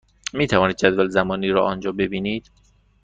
می توانید جدول زمانی را آنجا ببینید.